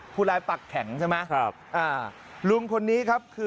ผู้ร้ายปากแข็งใช่ไหมครับอ่าลุงคนนี้ครับคือ